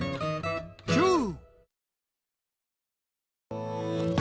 キュー！